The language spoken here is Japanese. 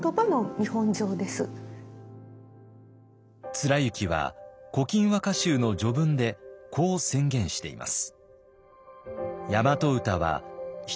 貫之は「古今和歌集」の序文でこう宣言しています。